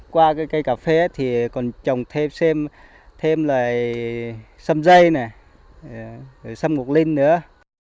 qua cây cà phê thì còn trồng thêm xâm dây xâm ngục linh nữa